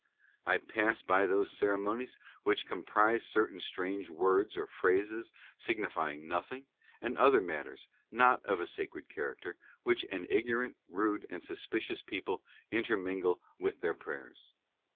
I pass by those ceremonies which comprise certain strange words or phrases signifying nothing, and other matters, not of a sacred character, which. an ignorant, rude, and suspicious people intermingle with their prayers.